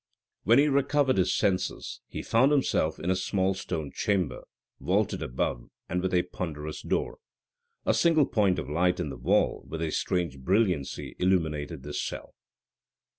When he recovered his senses, he found himself in a small stone chamber, vaulted above, and with a ponderous door. A single point of light in the wall, with a strange brilliancy illuminated this cell.